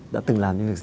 đã từng làm những việc gì